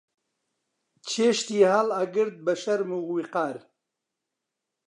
چێشتی هەڵئەگرت بە شەرم و ویقار